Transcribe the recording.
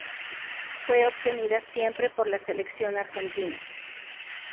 Fue obtenida siempre por la Selección Argentina.